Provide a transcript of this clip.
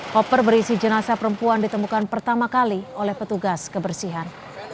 koper berisi jenazah perempuan ditemukan pertama kali oleh petugas kebersihan